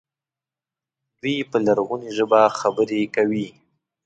دوی په لرغونې ژبه خبرې کوي.